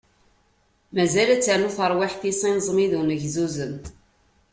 Mazal ad ternu terwiḥt-is ineẓmi d unegzuzem.